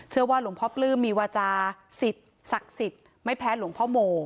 หลวงพ่อปลื้มมีวาจาสิทธิ์ศักดิ์สิทธิ์ไม่แพ้หลวงพ่อโม